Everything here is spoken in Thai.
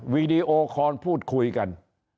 วีดีโอคอนพูดคุยกัน